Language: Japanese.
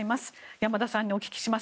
山田さんにお聞きします。